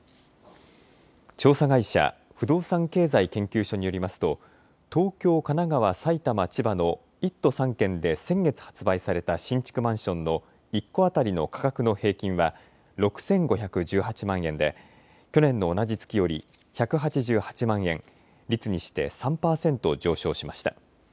調査会社、不動産経済研究所によりますと東京、神奈川、埼玉、千葉の１都３県で先月発売された新築マンションの１戸当たりの価格の平均は６５１８万円で去年の同じ月より１８８万円、率にして３％上昇しました。